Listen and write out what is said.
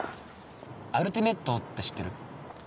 「アルティメット」って知ってる？